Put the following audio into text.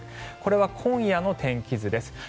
これは今夜の天気図です。